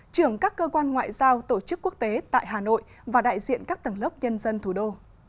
trưởng các cơ quan ngoại giao tổ chức quốc tế tại hà nội và đại diện các tầng lớp nhân dân thủ đô